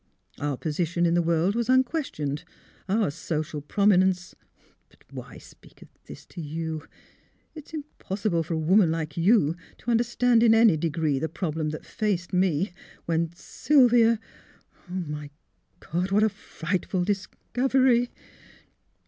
Our position in the world was unquestioned; our social prominence But why speak of this to you! It is impossible for a woman like you to understand in any degree the problem that faced me, when Sylvia My God! What a frightful discovery!